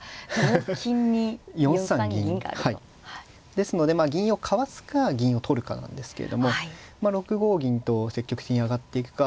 ですので銀をかわすか銀を取るかなんですけれども６五銀と積極的に上がっていくか